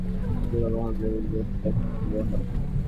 বেশ কিছুদিন হলো বন্ধ হয়ে গেছে খুলনা মহানগরীর বেশ কয়েকটি সিনেমা হল।